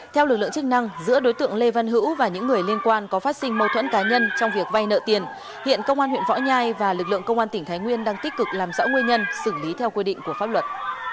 theo lực lượng chức năng giữa đối tượng lê văn hữu và những người liên quan có phát sinh mâu thuẫn cá nhân trong việc vay nợ tiền hiện công an huyện võ nhai và lực lượng công an tỉnh thái nguyên đang tích cực làm rõ nguyên nhân xử lý theo quy định của pháp luật